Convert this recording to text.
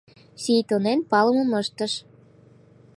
Сийтонен палымым ыштыш.